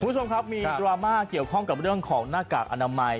คุณผู้ชมครับมีดราม่าเกี่ยวข้องกับเรื่องของหน้ากากอนามัย